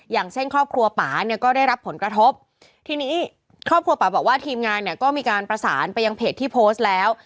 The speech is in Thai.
อย่างเช่นครอบครัวป่าเนี่ยก็ได้รับผลกระทบทีนี้ครอบครัวป่าบอกว่าทีมงานเนี่ยก็มีการประสานไปยังเพจที่โพสต์แล้ว